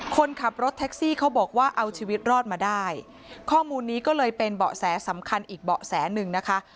คนขับรถแท็กซี่เขาบอกว่าเอาชีวิตรอดมาได้ข้อมูลนี้ก็เลยเป็นเบาะแสสำคัญอีกเบาะแสหนึ่งนะคะ